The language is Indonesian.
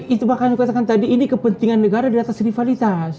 itu makanya dikatakan tadi ini kepentingan negara di atas rivalitas